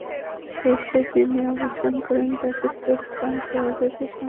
শীর্ষে যিনি অবস্থান করেন, তাঁকে চোখ-কান খোলা রেখে সামনে এগোতে হয়।